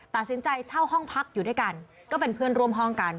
เช่าห้องพักอยู่ด้วยกันก็เป็นเพื่อนร่วมห้องกัน